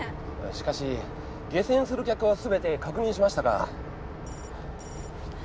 しかし下船する客は全て確認しましたが。